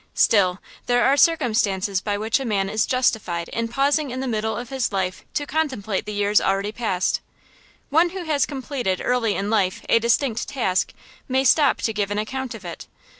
Still there are circumstances by which a man is justified in pausing in the middle of his life to contemplate the years already passed. One who has completed early in life a distinct task may stop to give an account of it.